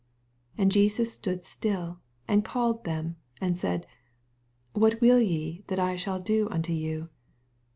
32 And Jesus stood still, and called them, and said. What will ye that I shall do unto you